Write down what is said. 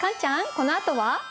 このあとは？